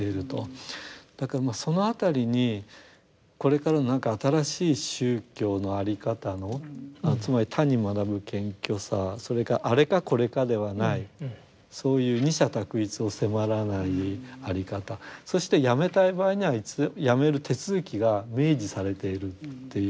だからまあその辺りにこれからの何か新しい宗教の在り方のつまり他に学ぶ謙虚さそれからあれかこれかではないそういう二者択一を迫らない在り方そしてやめたい場合にはやめる手続きが明示されているっていう